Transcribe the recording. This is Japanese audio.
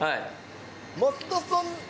増田さん。